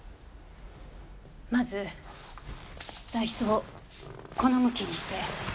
まず座いすをこの向きにして。